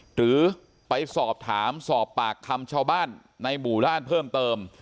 หรือไปสอบถามสอบปากคำชาวบ้านในหมู่บ้านเพิ่มเติม